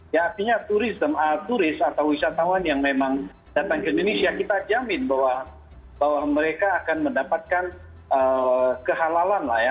ya artinya turis atau wisatawan yang memang datang ke indonesia kita jamin bahwa mereka akan mendapatkan kehalalan lah ya